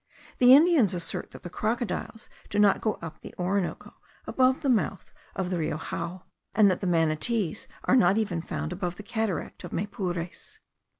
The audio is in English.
The Indians assert that the crocodiles do not go up the Orinoco above the mouth of the Rio Jao, and that the manatees are not even found above the cataract of Maypures.